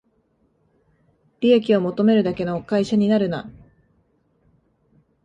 利益を求めるだけの会社になるな